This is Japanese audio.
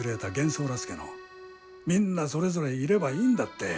みんなそれぞれいればいんだて。